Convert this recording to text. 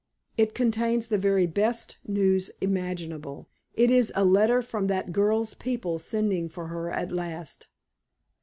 It contains the very best news imaginable. It is a letter from that girl's people sending for her at last."